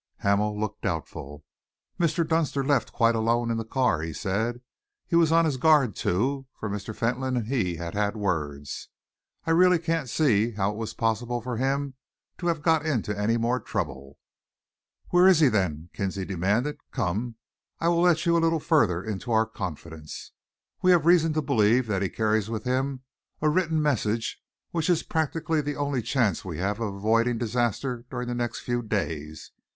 Hamel looked doubtful. "Mr. Dunster left quite alone in the car," he said. "He was on his guard too, for Mr. Fentolin and he had had words. I really can't see how it was possible for him to have got into any more trouble." "Where is he, then?" Kinsley demanded. "Come, I will let you a little further into our confidence. We have reason to believe that he carries with him a written message which is practically the only chance we have of avoiding disaster during the next few days.